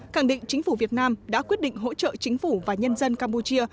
càng định chính phủ việt nam đã quyết định hỗ trợ chính phủ và nhân dân campuchia